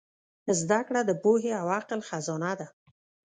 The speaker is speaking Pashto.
زدهکړه د پوهې او عقل خزانه ده.